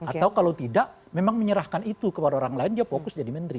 atau kalau tidak memang menyerahkan itu kepada orang lain dia fokus jadi menteri